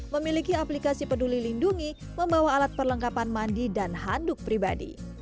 memiliki aplikasi peduli lindungi membawa alat perlengkapan mandi dan handuk pribadi